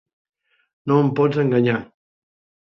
No em pots enganyar!